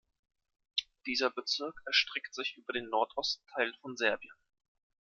Dieser Bezirk erstreckt sich über den Nordostteil von Serbien.